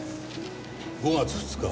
「５月２日